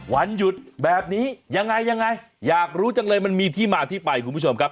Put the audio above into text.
วันหยุดแบบนี้ยังไงยังไงอยากรู้จังเลยมันมีที่มาที่ไปคุณผู้ชมครับ